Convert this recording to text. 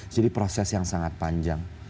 jadi proses yang sangat panjang